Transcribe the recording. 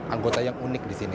anggota yang unik di sini